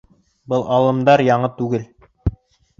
Был алымдар яңы түгел